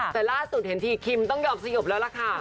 แต่ล่าสุดเห็นทีคิมต้องยอมสีหยบแล้ว